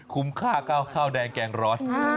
ค่าข้าวแดงแกงร้อน